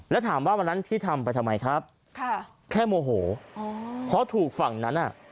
แล้วถามว่าวันนั้นพี่ทำไปทำไมครับค่ะแค่โมโหเพราะถูกฝั่งนั้นอ่ะ